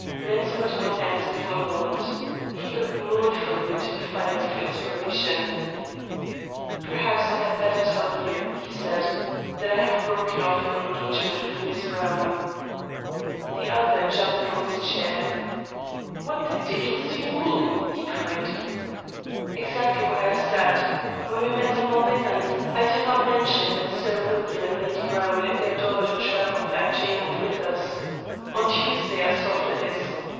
Mensmore did not answer for a moment. He looked mournfully into the fire for inspiration. "Perhaps I had better tell you," he said, "that I have broken off my engagement with Miss Browne." The other jumped from his chair. "What the dickens do you mean?" he cried. "Exactly what I have said. When we met on Monday night, I did not mention that Sir William and Lady Browne and their daughter travelled back to England with us. On Tuesday I saw Phyllis.